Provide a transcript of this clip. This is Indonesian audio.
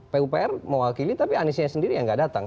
pupr mewakili tapi aniesnya sendiri yang nggak datang